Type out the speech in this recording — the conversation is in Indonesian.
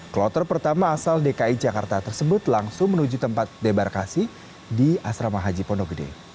kloter pertama asal dki jakarta tersebut langsung menuju tempat debarkasi di asrama haji pondok gede